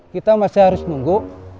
kita masih harus nunggu